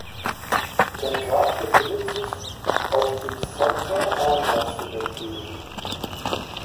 Sein Grab befindet sich auf dem Santa Ana Cemetery.